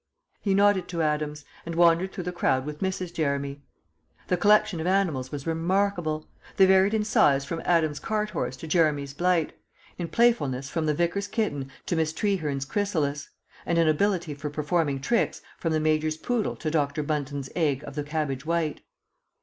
He nodded to Adams, and wandered through the crowd with Mrs. Jeremy. The collection of animals was remarkable; they varied in size from Adams's cart horse to Jeremy's blight; in playfulness from the Vicar's kitten to Miss Trehearne's chrysalis; and in ability for performing tricks from the Major's poodle to Dr. Bunton's egg of the Cabbage White.